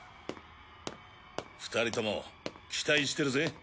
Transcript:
２人とも期待してるぜ。